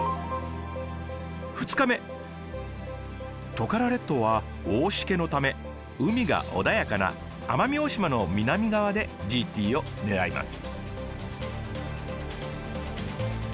トカラ列島は大時化のため海が穏やかな奄美大島の南側でＧＴを狙います。